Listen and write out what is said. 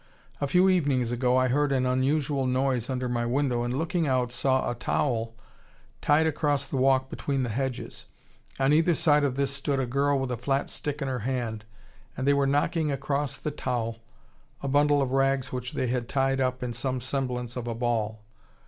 A few evenings ago I heard an unusual noise under my window, and, looking out, saw a towel tied across the walk between the hedges. On either side of this stood a girl with a flat stick in her hand, and they were knocking across the towel a bundle of rags which they had tied up in some semblance of a ball.